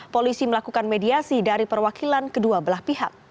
polisi melakukan mediasi dari perwakilan kedua belah pihak